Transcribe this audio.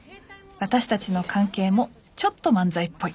私たちの関係もちょっと漫才っぽい。